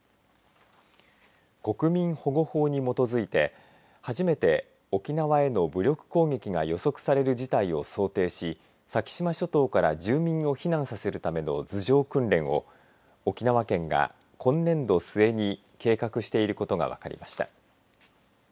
国民保護法に基づいて初めて沖縄への武力攻撃が予測される事態を想定し先島諸島から住民を避難させるための図上訓練を沖縄県が今年度末に計画していることが分かりました。